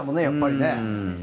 やっぱりね。